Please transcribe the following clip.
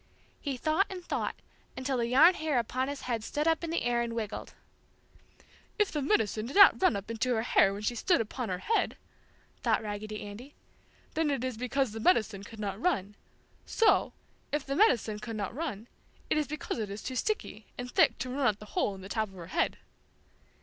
He thought and thought, until the yarn hair upon his head stood up in the air and wiggled. "If the 'medicine' did not run up into her hair when she stood upon her head," thought Raggedy Andy, "then it is because the 'medicine' could not run; so, if the medicine can not run, it is because it is too sticky and thick to run out the hole in the top of her head."